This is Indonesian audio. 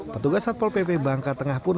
petugas satpol pp bangka tengah pun